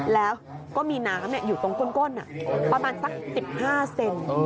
แล้วก็มีน้ำอยู่ตรงก้นประมาณสัก๑๕เซน